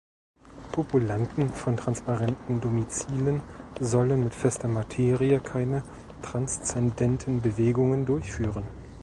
Populanten von transparenten Domizilen sollen mit fester Materie keine transzendenten Bewegungen durchführen!